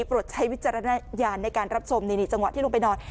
ใช้วิจารณญาณในการรับชมนี่จังหวะที่ลงไปนอน